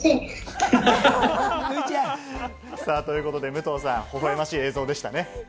武藤さん、微笑ましい映像でしたね。